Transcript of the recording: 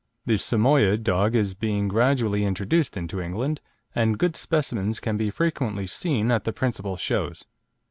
The Samoyede dog is being gradually introduced into England, and good specimens can be frequently seen at the principal shows.